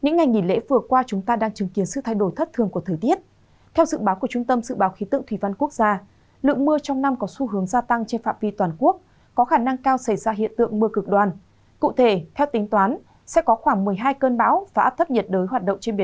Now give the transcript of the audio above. các bạn hãy đăng ký kênh để ủng hộ kênh của chúng mình nhé